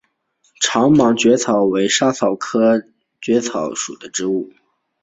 长芒薹草为莎草科薹草属的植物。